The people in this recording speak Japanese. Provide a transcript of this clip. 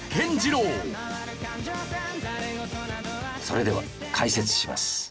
それでは解説します。